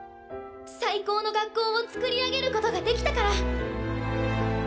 最高の学校をつくり上げることができたから」。